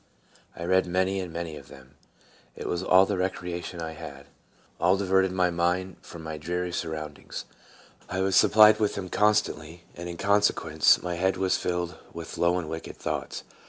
I read many and many of them. It was all the recreation I had, and 1 6 TRANSFORMED. diverted my mind from my dreary surround ings. I was supplied with them constantly, and, in consequence, my head was filled with low and wicked thoughts.